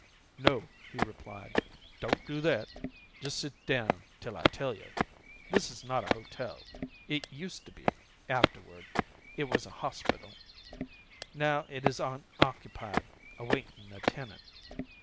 "'No,' he replied, 'don't do that; just sit down till I tell you. This is not a hotel. It used to be; afterward it was a hospital. Now it is unoccupied, awaiting a tenant.